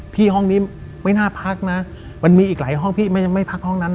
ห้องนี้ไม่น่าพักนะมันมีอีกหลายห้องพี่ไม่พักห้องนั้น